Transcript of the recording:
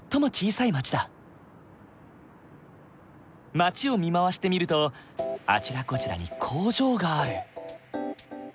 街を見回してみるとあちらこちらに工場がある。